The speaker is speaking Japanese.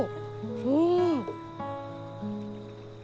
うん！？